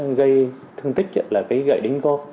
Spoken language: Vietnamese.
nó gây thương tích là cái gậy đính góp